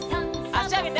あしあげて。